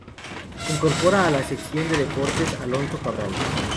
Se incorpora a la sección de Deportes Alonso Cabral.